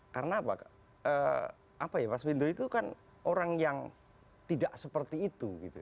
karena apa ya mas wendo itu kan orang yang tidak seperti itu gitu